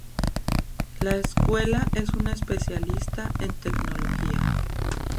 La escuela es una especialista en tecnología.